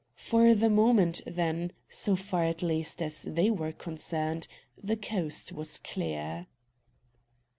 For the moment, then so far, at least, as they were concerned the coast was clear.